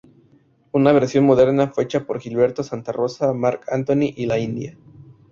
Una versión moderna fue hecha por Gilberto Santa Rosa, Marc Anthony y La India.